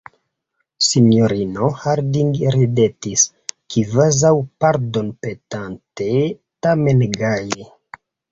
Sinjorino Harding ridetis, kvazaŭ pardonpetante, tamen gaje: